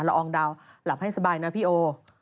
อองดาวหลับให้สบายนะพี่โอ